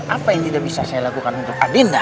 apa yang tidak bisa saya lakukan untuk agenda